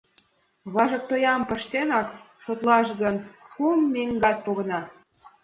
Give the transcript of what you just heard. Важыктоям пыштенак шотлаш гын, кум меҥгат погына.